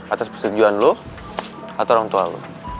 atas persetujuan lo atau orang tua lo